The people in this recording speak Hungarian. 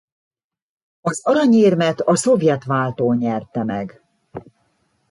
Az aranyérmet a szovjet váltó nyerte meg.